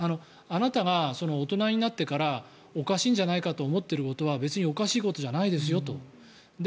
あなたが大人になってからおかしいんじゃないかと思っていることは別におかしいことじゃないですよと。